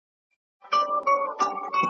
په هر شعر کي یې د افغان اولس ناخوالو ته .